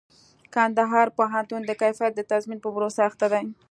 کندهار پوهنتون د کيفيت د تضمين په پروسه اخته دئ.